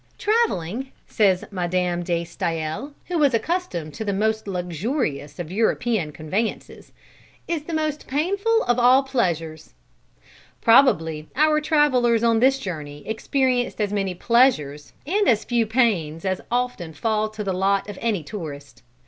"Traveling," says Madame de Stael, who was accustomed to the most luxurious of European conveyances, "is the most painful of pleasures." Probably our travelers on this journey experienced as many pleasures and as few pains as often fall to the lot of any tourist.